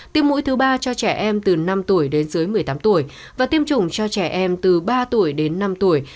tiêm mũi thứ ba cho trẻ em từ năm tuổi đến dưới một mươi tám tuổi và tiêm chủng cho trẻ em từ ba tuổi đến năm tuổi